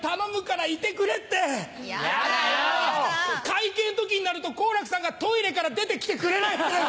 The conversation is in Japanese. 会計の時になると好楽さんがトイレから出て来てくれないんだ。